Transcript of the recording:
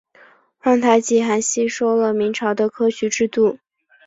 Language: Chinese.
皇太极还吸收了明朝的科举制度。